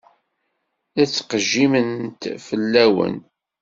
La ttqejjiment fell-awen.